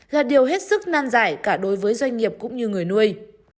là điều hết sức nan giải cả đối với doanh nghiệp cũng như người nuôi